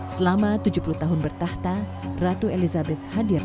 selama tujuh puluh tahun bertahta ratu elizabeth hadir di kastil windsor